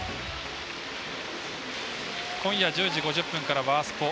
今夜１０時５０分から「ワースポ×ＭＬＢ」。